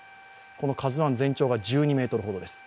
この「ＫＡＺＵⅠ」全長が１２ｍほどです。